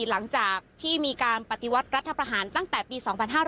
หลังจากที่มีการปฏิวัติรัฐประหารตั้งแต่ปี๒๕๕๙